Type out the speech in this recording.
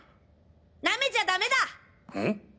舐めちゃダメだ！ん！？